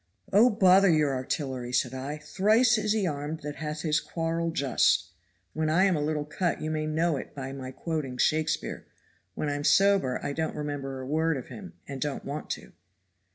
'Oh, bother your artillery,' said I. 'Thrice is he armed that hath his quarrel just.' When I'm a little cut you may know it by my quoting Shakespeare. When I'm sober I don't remember a word of him and don't want to."